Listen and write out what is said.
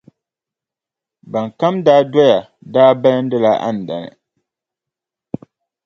Ban kam daa doya daa balindila Andani.